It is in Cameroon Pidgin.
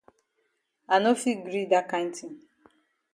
I no fit gree dat kind tin.